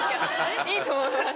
いいと思います。